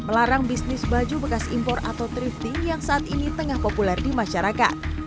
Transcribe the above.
melarang bisnis baju bekas impor atau thrifting yang saat ini tengah populer di masyarakat